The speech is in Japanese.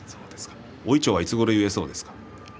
大いちょうはいつごろ結えそうですか？